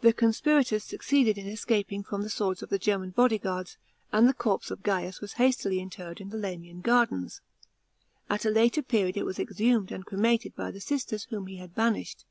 The conspirators succeeded in escaping from the swords of the German bodyguards, and the corp e of Gains was hastily interred in the Lamian gardens. At a later period it was exhumed and cremated by the sisters whom he had banished.